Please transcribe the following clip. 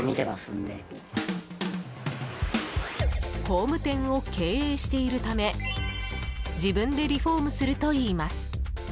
工務店を経営しているため自分でリフォームするといいます。